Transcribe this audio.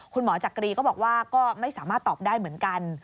จักรีก็บอกว่าก็ไม่สามารถตอบได้เหมือนกัน